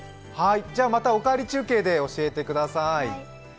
また「おかわり中継」で教えてください。